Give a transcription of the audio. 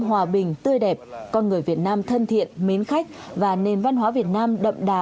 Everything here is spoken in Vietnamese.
hòa bình tươi đẹp con người việt nam thân thiện mến khách và nền văn hóa việt nam đậm đà